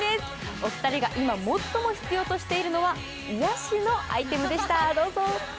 お二人が今最も必要としているのは癒やしのアイテムでした、どうぞ。